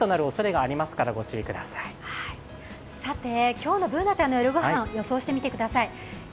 今日のＢｏｏｎａちゃんの夜ごはん予想してみてください。